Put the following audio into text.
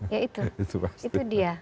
ya itu itu dia